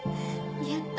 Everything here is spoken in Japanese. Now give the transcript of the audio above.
やった。